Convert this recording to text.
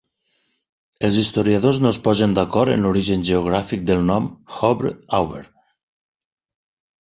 Els historiadors no es posen d'acord en l'origen geogràfic del nom "Havre-Aubert".